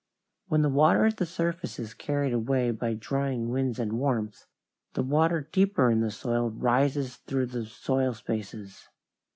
When the water at the surface is carried away by drying winds and warmth, the water deeper in the soil rises through the soil spaces.